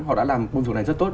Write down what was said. họ đã làm công dụng này rất tốt